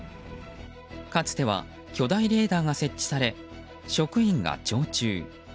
かつては巨大レーダーが設置され職員が常駐。